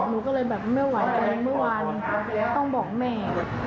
หนูก็เลยแบบไม่ไหวใจเมื่อวานต้องบอกแม่